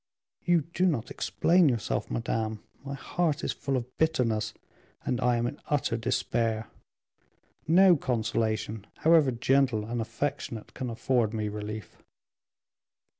"You do not explain yourself, madame; my heart is full of bitterness, and I am in utter despair; no consolation, however gentle and affectionate, can afford me relief."